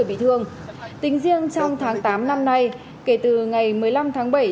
bị thương một người